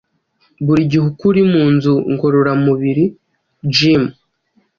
buri gihe uko uri mu nzu ngororamubiri gym